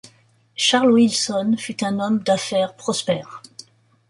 Charles Wilson fut un homme d’affaires prospère.